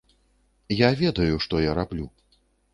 Я ведаю, што я раблю.